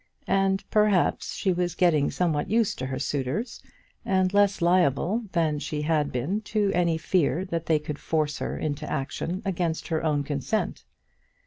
And, perhaps, she was getting somewhat used to her suitors, and less liable than she had been to any fear that they could force her into action against her own consent.